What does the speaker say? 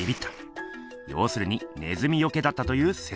要するにネズミよけだったという説！